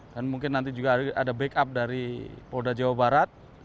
dan mungkin nanti juga ada backup dari polda jawa